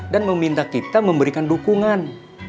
dan meminta kita memberikan dukungan